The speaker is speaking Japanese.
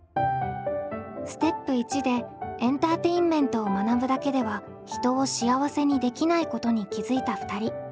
ステップ１でエンターテインメントを学ぶだけでは人を幸せにできないことに気付いた２人。